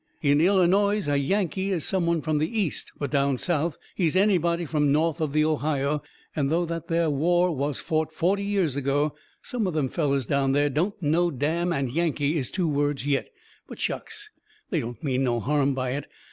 In Illinoise a Yankee is some one from the East, but down South he is anybody from north of the Ohio, and though that there war was fought forty years ago some of them fellers down there don't know damn and Yankee is two words yet. But shucks! they don't mean no harm by it!